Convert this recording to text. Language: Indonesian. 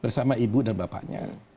bersama ibu dan bapaknya